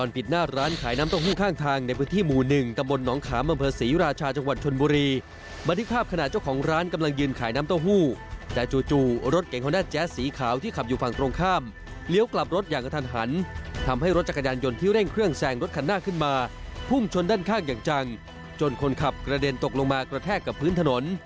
ประเด็นตกลงมากระแทกกับพื้นถนน